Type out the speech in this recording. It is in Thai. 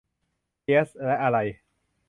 เกียซ และอะไร